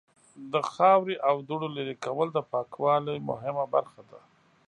د خاورې او دوړو لرې کول د پاکوالی مهمه برخه ده.